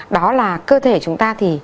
đó là cơ thể chúng ta thì